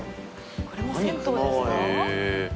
これも銭湯ですか？